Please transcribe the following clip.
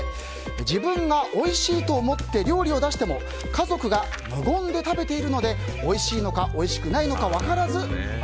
自分がおいしいと思って料理を出しても家族が無言で食べているのでおいしいのかおいしくないのか